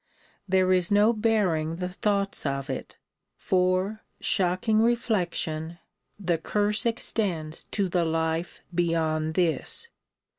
There is no bearing the thoughts of it: for [shocking reflection!] the curse extends to the life beyond this.